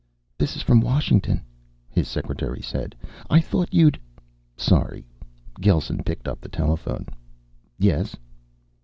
"This is from Washington," his secretary said. "I thought you'd " "Sorry." Gelsen picked up the telephone. "Yes.